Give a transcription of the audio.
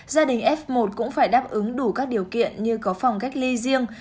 gia đình f một cũng phải đáp ứng đủ các điều kiện như có phòng cách ly riêng